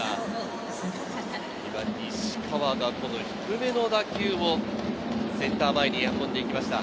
西川が低めの打球をセンター前に運んで来ました。